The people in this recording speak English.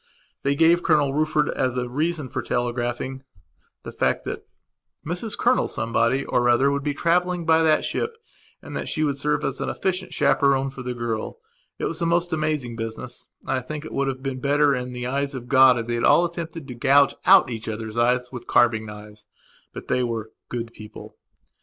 They gave Colonel Rufford, as a reason for telegraphing, the fact that Mrs Colonel Somebody or other would be travelling by that ship and that she would serve as an efficient chaperon for the girl. It was a most amazing business, and I think that it would have been better in the eyes of God if they had all attempted to gouge out each other's eyes with carving knives. But they were "good people".